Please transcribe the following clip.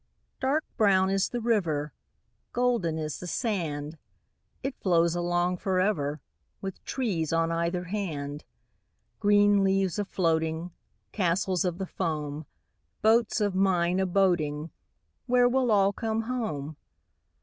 Dark brown is the river, Golden is the sand. It flows along for ever, With trees on either hand. Green leaves a floating, Castles of the foam, Boats of mine a boating— Where will all come home?